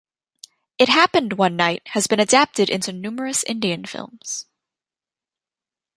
"It Happened One Night" has been adapted into numerous Indian films.